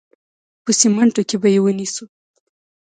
په سمینټو کې به یې ونیسو.